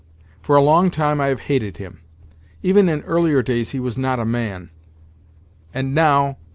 For a long time I have hated him. Even in earlier days he was not a man; and now!